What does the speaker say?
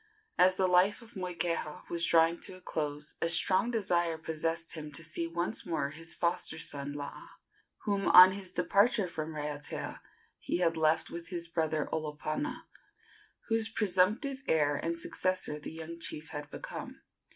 As the life of Moikeha was drawing to a close a strong desire possessed him to see once more his foster son Laa, whom, on his departure from Raiatea, he had left with his brother Olopana, whose presumptive heir and successor the young chief had become.